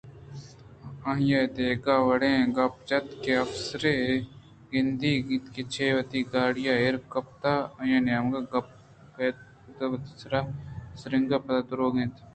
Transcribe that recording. آئیءَ دگہ وڑیں گپ جت کہ آ افسرے گندگ ءَ اَنت کہ چہ وتی گاڑی ءَ ایر کپتگ آئی ءِ نیمگ ءَ کیت بلئے وتی سر ءِ سُرینگ ءَ پد دوارگ روت اِنت